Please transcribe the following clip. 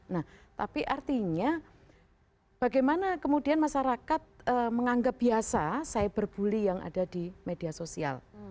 nah tapi artinya bagaimana kemudian masyarakat menganggap biasa cyberbully yang ada di media sosial